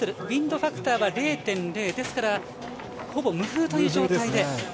ウインドファクターは０．０ですから、ほぼ無風という状態で。